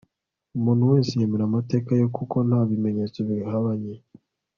umuntu wese yemera amateka ye kuko nta bimenyetso bihabanye